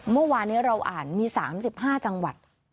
เมื่อวานนี้เราอ่านมี๓๕จังหวัด